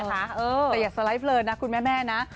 แต่อย่าสไลด์เลินนะคุณแม่นะ